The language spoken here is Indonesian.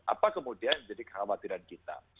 apa kemudian jadi kekhawatiran kita